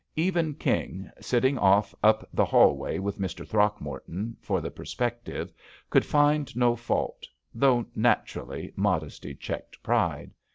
Even King, sitting off up the hallway with Mr. Throckmorton, for the perspective, could find no fault, though, naturally, modesty checked pride.